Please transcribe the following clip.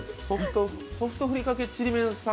ソフトふりかけちりめん